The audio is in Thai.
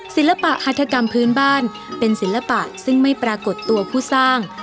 ศิลปะหัฐกรรมพื้นบ้านเป็นศิลปะซึ่งไม่ปรากฏตัวผู้สร้าง